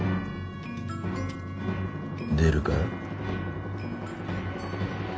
出るか？